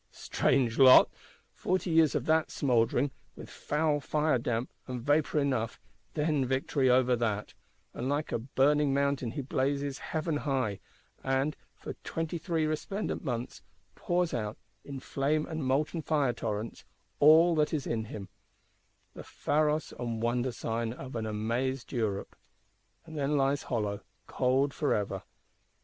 Strange lot! Forty years of that smouldering, with foul fire damp and vapour enough, then victory over that;—and like a burning mountain he blazes heaven high; and, for twenty three resplendent months, pours out, in flame and molten fire torrents, all that is in him, the Pharos and Wonder sign of an amazed Europe;—and then lies hollow, cold forever!